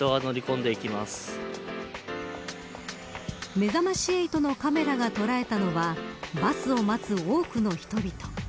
めざまし８のカメラが捉えたのはバスを待つ多くの人々。